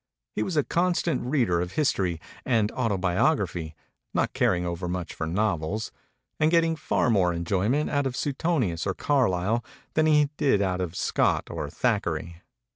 He was a constant reader of history and autobiography, not caring overmuch for novels and getting far more enjoyment out of Suetonius or Carlyle than he did out of Scott or Thackeray.